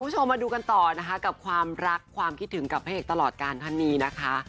คุณผู้ชมมาดูกันต่อนะคะกับความรักความคิดถึงกับพระเอกตลอดการท่านนี้นะคะ